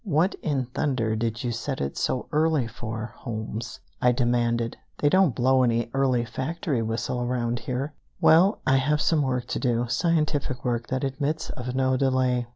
"What in thunder did you set it so early for, Holmes?" I demanded. "They don't blow any early factory whistle around here." "Well, I have some work to do, scientific work that admits of no delay.